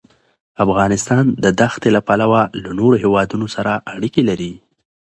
افغانستان د دښتې له پلوه له نورو هېوادونو سره اړیکې لري.